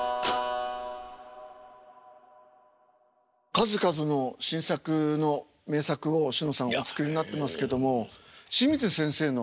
数々の新作の名作をしのさんお作りになってますけども清水先生の。